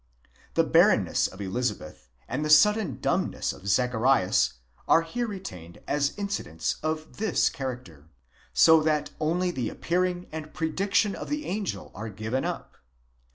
The barrenness of Elizabeth and the sudden dumbness of Zacharias are here re tained as incidents of this character: so that only the appearing and predic tion of the angel are given up.